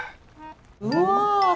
うわ！